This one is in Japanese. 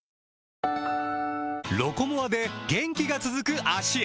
「ロコモア」で元気が続く脚へ！